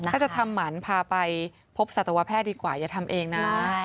ถ้าจะทำหมันพาไปพบสัตวแพทย์ดีกว่าอย่าทำเองนะ